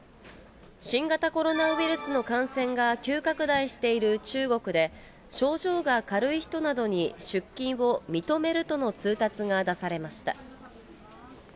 新型コロナウイルスの感染が急拡大している中国で、症状が軽い人などに出勤を認めるとの通達が出されました。